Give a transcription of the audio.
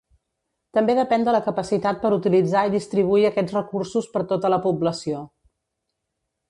També depèn de la capacitat per utilitzar i distribuir aquests recursos per tota la població.